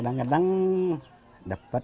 kadang kadang dapat enam puluh